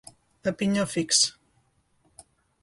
A pinyó fix.